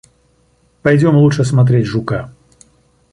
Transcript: Пойдем лучше смотреть жука.